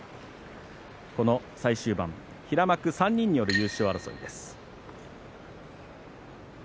この最終盤、平幕３人による優勝争いです。